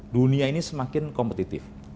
dunia ini semakin kompetitif